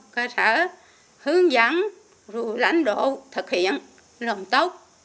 cơ sở hướng dẫn rồi lãnh đổ thực hiện lòng tốt